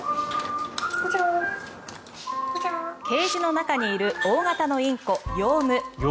ケージの中にいる大型のインコ、ヨウム。